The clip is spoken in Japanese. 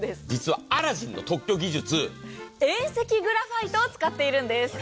実はアラジンの特許技術遠赤グラファイトを使っているんです。